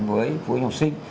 với phụ huynh học sinh